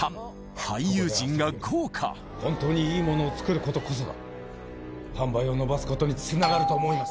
本当にいいものをつくることこそが販売を伸ばすことにつながると思います